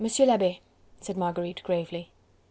L'Abbe!..." said Marguerite gravely.